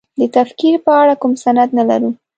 د تکفیر په اړه کوم سند نه لرو.